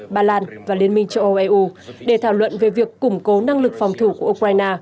ba lan và liên minh châu âu eu để thảo luận về việc củng cố năng lực phòng thủ của ukraine